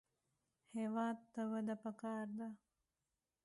هېواد ته وده پکار ده